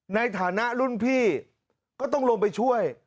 ในฐานะรุ่นพี่ก็ต้องลงไปช่วย